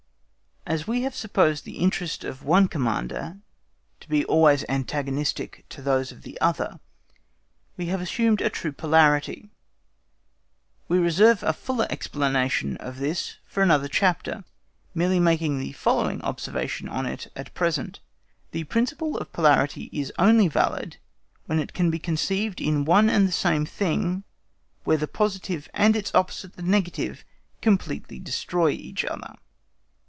As we have supposed the interests of one Commander to be always antagonistic to those of the other, we have assumed a true polarity. We reserve a fuller explanation of this for another chapter, merely making the following observation on it at present. The principle of polarity is only valid when it can be conceived in one and the same thing, where the positive and its opposite the negative completely destroy each other.